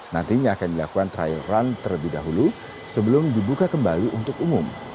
nantinya akan dilakukan trial run terlebih dahulu sebelum dibuka kembali untuk umum